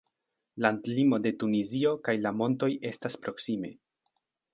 Landlimo de Tunizio kaj la montoj estas proksime.